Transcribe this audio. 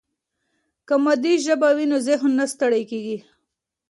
که مادي ژبه وي نو ذهن نه ستړی کېږي.